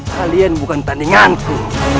kalian bukan tandinganku